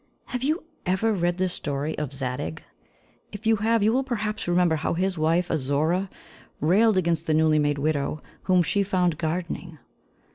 Have you ever read the story of Zadig? If you have, you will perhaps remember how his wife, Azora, railed against the newly made widow whom she found gardening.